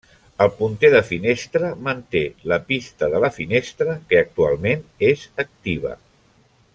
El punter de finestra manté la pista de la finestra que actualment és activa.